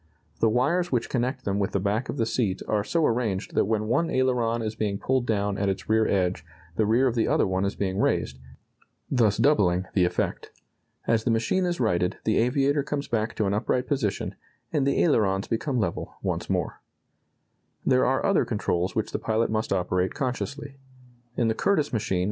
The wires which connect them with the back of the seat are so arranged that when one aileron is being pulled down at its rear edge the rear of the other one is being raised, thus doubling the effect. As the machine is righted the aviator comes back to an upright position, and the ailerons become level once more. [Illustration: Starting a Wright machine.